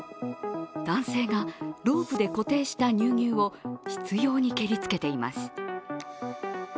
男性がロープで固定した乳牛を執ように蹴りつけています。